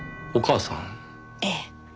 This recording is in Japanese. ええ。